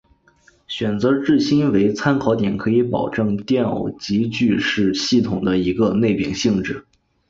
选择质心为参考点可以保证电偶极矩是系统的一个内禀性质。